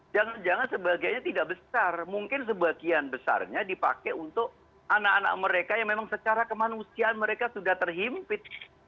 jangan jangan sebagiannya tidak besar mungkin sebagian besarnya dipakai untuk anak anak mereka yang memang secara kemanusiaan mereka sudah terhimpit